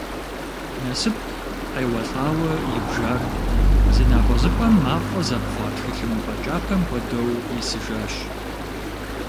Нэсып къеуэлӏауэ ибжар, зы напӏэзыпӏэм мафӏэ зэпхъуа тхылымпӏэ кӏапэм хуэдэу исыжащ.